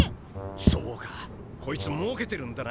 そうかこいつもうけてるんだな。